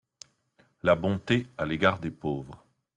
La bonté à l’égard des pauvres.